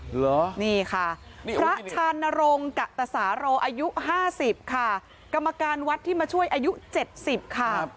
เหรอนี่ค่ะพระชานรงค์กะตสาโรอายุ๕๐ค่ะกรรมการวัดที่มาช่วยอายุ๗๐ค่ะ